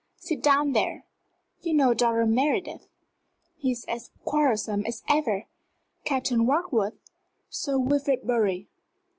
Sit down there. You know Dr. Meredith. He's as quarrelsome as ever. Captain Warkworth Sir Wilfrid Bury."